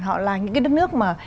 họ là những cái đất nước mà